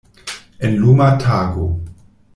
En luma tago.